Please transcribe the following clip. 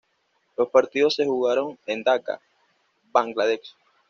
Los partidos se jugaron en Daca, Bangladesh.